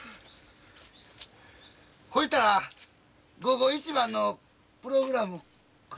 ほいたら午後一番のプログラム繰り上げよか。